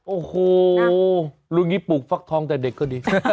โอ้โหลูกนี้ปลูกฟักทองแต่เด็กก็ดี